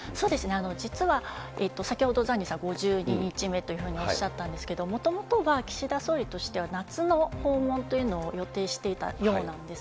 実は先ほど、ザニーさん、５２日目というふうにおっしゃったんですけれども、もともとは岸田総理としては夏の訪問というのを予定していたようなんです。